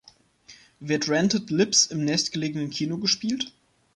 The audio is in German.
Wird Rented Lips im nächstgelegenen Kino gespielt?